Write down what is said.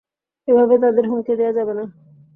এভাবে তাদের হুমকি দেয়া যাবে না।